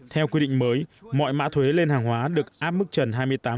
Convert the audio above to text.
theo quy định mới mọi mã thuế lên hàng hóa được áp mức trần hai mươi tám